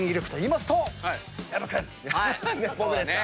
僕ですか。